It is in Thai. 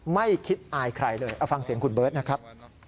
ไม่คิดอายใครเลยเอาฟังเสียงคุณเบิร์ตนะครับ